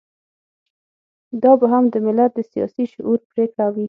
دا به هم د ملت د سياسي شعور پرېکړه وي.